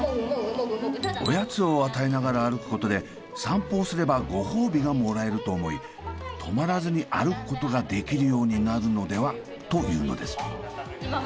おやつを与えながら歩くことで散歩をすればご褒美がもらえると思い止まらずに歩くことができるようになるのではというのです。